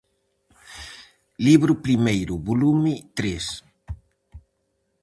Libro primeiro, volume tres.